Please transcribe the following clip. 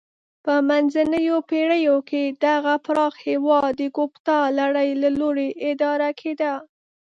په منځنیو پیړیو کې دغه پراخ هېواد د کوپتا لړۍ له لوري اداره کېده.